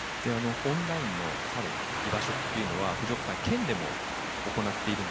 オンラインのサロン居場所っていうのは藤岡さん県でも行っているんですよね。